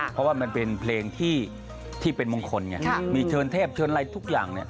เพราะว่ามันเป็นเพลงที่เป็นมงคลไงมีเชิญเทพเชิญอะไรทุกอย่างเนี่ย